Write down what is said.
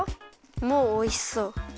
もうおいしそう。